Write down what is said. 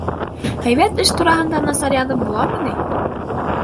— Һәйбәт эш тураһында насар яҙып буламы ни?